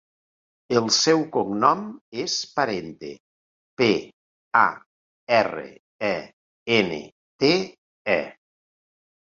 El seu cognom és Parente: pe, a, erra, e, ena, te, e.